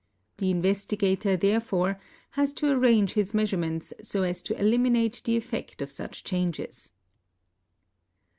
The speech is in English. The investigator therefore has to arrange his meas urements so as to eliminate the effect of such changes.